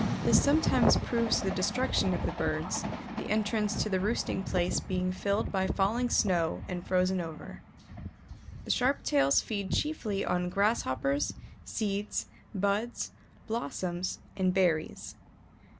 This sometimes proves the destruction of the birds, the entrance to the roosting place being filled by falling snow and frozen over. The Sharp tails feed chiefly on Grasshoppers, seeds, buds, blossoms, and berries.